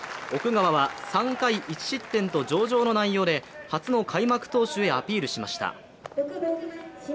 奥川は３回１失点と上々の内容で初の開幕投手へアピールしました。